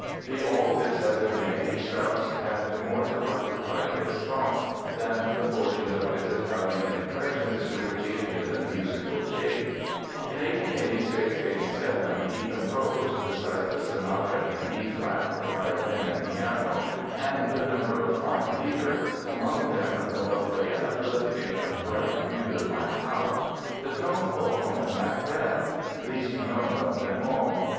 Be all this as it may, Strauss had more to occupy his thoughts than the fortunes of his Italian impressions to which he had given musical shape. In 1886 87 he composed (besides a sonata in E flat for violin and piano and a number of fine Lieder—among them the lovely and uplifting "Breit über mein Haupt") the tone poem, Macbeth (least known of them all).